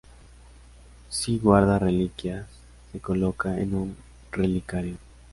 Si guarda reliquias, se coloca en un relicario.